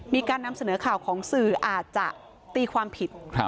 มีการนำเสนอข่าวของสื่ออาจจะตีความผิด